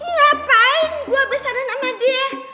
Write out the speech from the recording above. ih ngapain gua besaran sama dia